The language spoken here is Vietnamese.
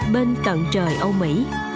bên cận trời âu mỹ